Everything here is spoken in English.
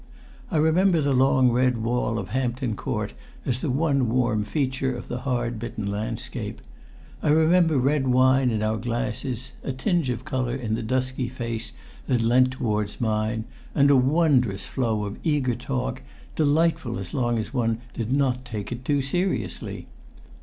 I remember the long red wall of Hampton Court as the one warm feature of the hard bitten landscape. I remember red wine in our glasses, a tinge of colour in the dusky face that leant toward mine, and a wondrous flow of eager talk, delightful as long as one did not take it too seriously.